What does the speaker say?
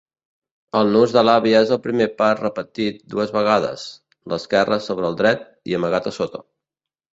El nus de l'àvia és el primer pas repetit dues vegades "l'esquerre sobre el dret i amagat a sota".